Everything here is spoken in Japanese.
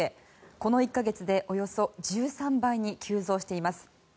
この１か月でおよそ１３倍に急増しています。